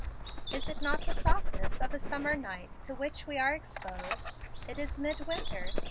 It is not the softness of a summer night to which we are exposed; it is midwinter.